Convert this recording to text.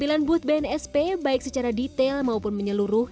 sembilan booth bnsp baik secara detail maupun menyeluruh